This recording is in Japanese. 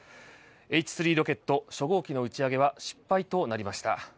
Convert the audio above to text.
Ｈ３ロケット初号機の打ち上げは失敗となりました。